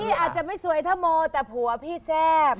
อาจจะไม่สวยถ้าโมแต่ผัวพี่แซ่บ